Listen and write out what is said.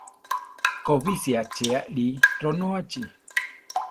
Kobísi aché aʼli, ronóachi.